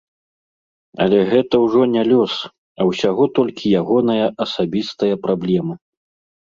Але гэта ўжо не лёс, а ўсяго толькі ягоная асабістая праблема.